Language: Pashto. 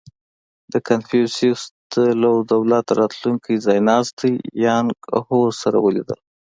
• کنفوسیوس د لو دولت راتلونکی ځایناستی یانګ هو سره ولیدل.